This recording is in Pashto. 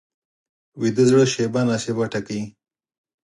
ویده زړه شېبه نا شېبه ټکوي